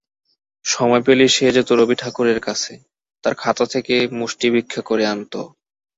সময় পেলেই সে যেত রবি ঠাকুরের কাছে, তাঁর খাতা থেকে মুষ্টিভিক্ষা করে আনত।